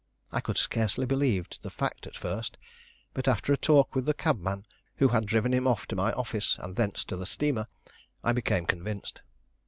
I could scarcely believe the fact at first; but after a talk with the cabman who had driven him off to my office and thence to the steamer, I became convinced.